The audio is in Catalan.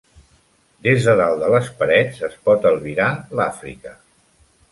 Des de dalt de les parets, es pot albirar l'Àfrica.